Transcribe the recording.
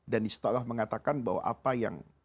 dan istilah mengatakan bahwa apa yang